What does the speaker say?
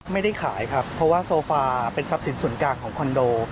ไม่ได้ขายครับเพราะว่าโซฟาเป็นทรัพย์สินส่วนกลางของคอนโด